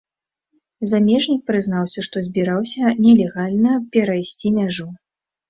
Замежнік прызнаўся, што збіраўся нелегальна перайсці мяжу.